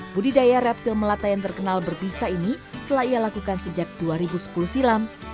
budidaya reptil melata yang terkenal berbisa ini telah ia lakukan sejak dua ribu sepuluh silam